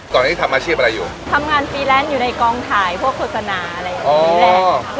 ตอนนี้ทำอาชีพอะไรอยู่ทำงานฟรีแลนซ์อยู่ในกองถ่ายพวกโฆษณาอะไรอย่างนี้แหละ